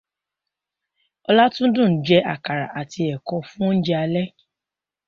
Ọlátundùn jẹ àkàrà àti ẹ̀kọ fún oúnjẹ alẹ́.